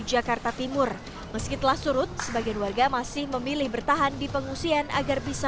jakarta timur meskipun surut sebagian warga masih memilih bertahan di pengungsian agar bisa